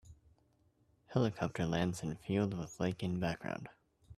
Helicopter lands in field with lake in background